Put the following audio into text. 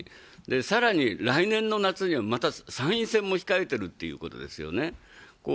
更に来年の夏にはまた参院選も控えているということですよね。